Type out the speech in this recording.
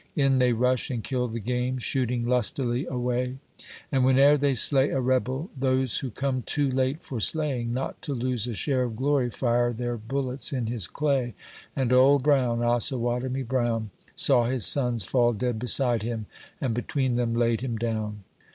In they rush and kill the game, shooting lustily away !* Aud whene'er they slay a rebel, those who come too late for skying, Not to lose a share of glory, fire their bullets in his clay ; And Old Brown, Osawatomie Brown, Saw his sons fall dead beside him, and between them laid him down.